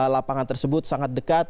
lapangan tersebut sangat dekat